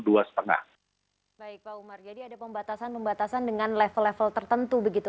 baik pak umar jadi ada pembatasan pembatasan dengan level level tertentu begitu